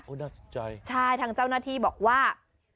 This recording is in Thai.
น่าสนใจใช่ทางเจ้าหน้าที่บอกว่า